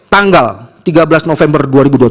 tanggal tiga belas november dua ribu dua puluh